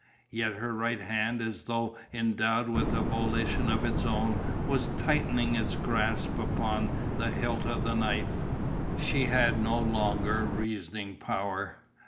Yet her right hand as though endowed with a volition of its own was tightening its grasp upon the hilt of the knife. She had no longer reasoning power.